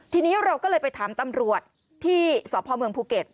ทีนี้เราก็เลยไปถามตำรวจที่สพเมืองภูเก็ต